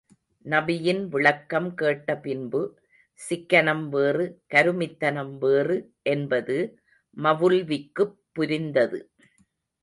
நபியின் விளக்கம் கேட்ட பின்பு—சிக்கனம் வேறு, கருமித்தனம் வேறு—என்பது மவுல்விக்குப் புரிந்தது.